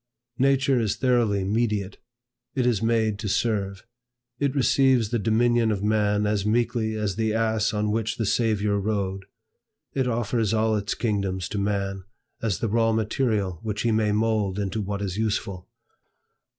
Nature is thoroughly mediate. It is made to serve. It receives the dominion of man as meekly as the ass on which the Saviour rode. It offers all its kingdoms to man as the raw material which he may mould into what is useful.